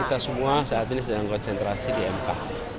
kita semua saat ini sedang konsentrasi di mk